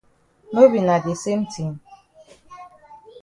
No be na de same tin.